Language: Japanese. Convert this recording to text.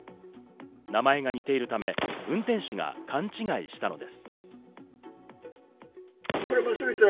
名前が似ているため、運転手が勘違いしたのです。